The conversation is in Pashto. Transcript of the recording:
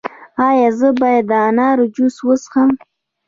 ایا زه باید د انار جوس وڅښم؟